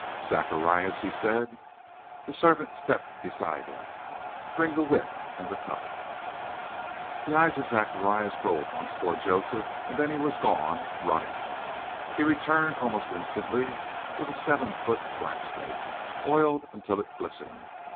"Zacharias," he said. The servant stepped beside him. "Bring the whip and the cup." The eyes of Zacharias rolled once toward Joseph and then he was gone, running; he returned almost instantly with a seven foot blacksnake, oiled until it glistened.